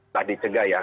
tak dicegah ya